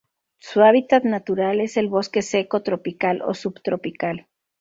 Su hábitat natural es el bosque seco tropical o subtropical.